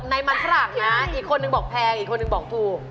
ในมันฝรั่งนะอีกคนนึงบอกแพงอีกคนนึงบอกถูก